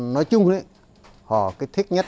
nói chung họ thích nhất